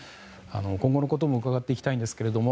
今後のことも伺っていきたいんですけれども。